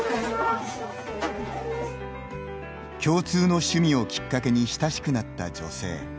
共通の趣味をきっかけに親しくなった女性。